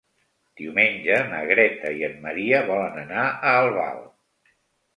Diumenge na Greta i en Maria volen anar a Albal.